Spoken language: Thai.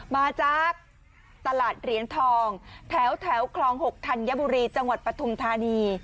มาจากตลาดเหรียญทองแถวคลอง๖ธัญบุรีจังหวัดปฐุมธานี